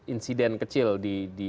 insiden kecil di